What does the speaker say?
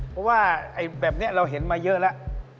เพราะว่าแบบนี้เราเห็นมาเยอะแล้ว